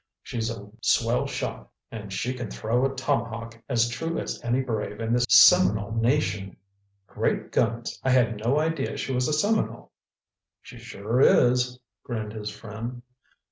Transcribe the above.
She's a swell shot, and she can throw a tomahawk as true as any brave in the Seminole Nation." "Great guns! I had no idea she was a Seminole!" "She sure is," grinned his friend.